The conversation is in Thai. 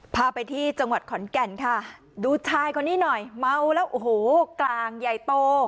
พาไปที่จังหวัดขอนแก่นค่ะดูชายคนนี้หน่อยเมาแล้วโอ้โหกลางใหญ่โต